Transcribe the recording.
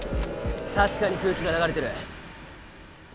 確かに空気が流れてる。